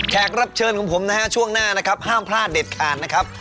รับเชิญของผมนะฮะช่วงหน้านะครับห้ามพลาดเด็ดขาดนะครับ